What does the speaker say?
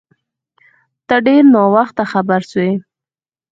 ته ډیر ناوخته خبر سوی